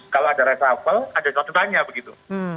kalau ada resapel ada contohnya begitu